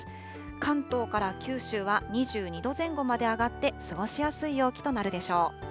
関東から九州は２２度前後まで上がって過ごしやすい陽気となるでしょう。